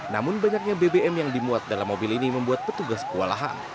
namun banyaknya bbm yang dimuat dalam mobil ini membuat petugas kewalahan